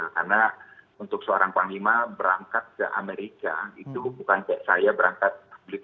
karena untuk seorang panglima berangkat ke amerika itu bukan kayak saya berangkat ke amerika